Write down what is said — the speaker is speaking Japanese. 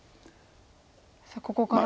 さあここから。